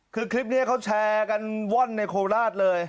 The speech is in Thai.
คือคลิปนี้เขาแชร์กันว่อนในโคราชเลย